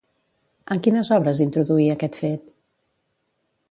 En quines obres introduí aquest fet?